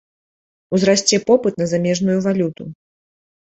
Узрасце попыт на замежную валюту.